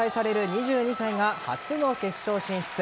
２２歳が初の決勝進出。